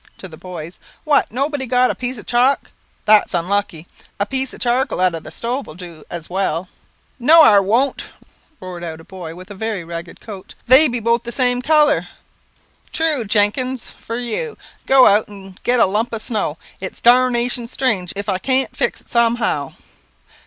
To the boys: "What, nobody got a piece of chalk? That's unlucky; a piece of charcoal out of the stove will do as well." "No 'ar won't," roared out a boy with a very ragged coat. "They be both the same colour." "True, Jenkins, for you; go out and get a lump of snow. Its darnation strange if I can't fix it somehow."